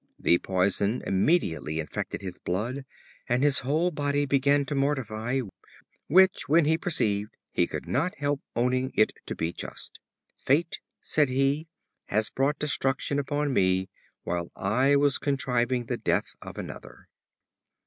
The poison immediately infected his blood, and his whole body began to mortify; which, when he perceived, he could not help owning it to be just. "Fate," said he, "has brought destruction upon me while I was contriving the death of another."